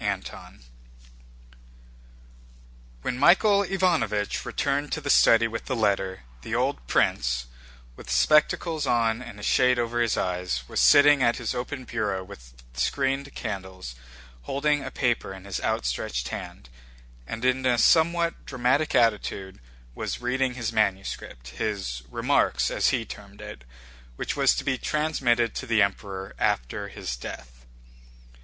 CHAPTER III When Michael Ivánovich returned to the study with the letter, the old prince, with spectacles on and a shade over his eyes, was sitting at his open bureau with screened candles, holding a paper in his outstretched hand, and in a somewhat dramatic attitude was reading his manuscript—his "Remarks" as he termed it—which was to be transmitted to the Emperor after his death.